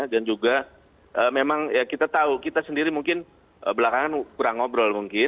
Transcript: dan juga memang kita tahu kita sendiri mungkin belakangan kurang ngobrol mungkin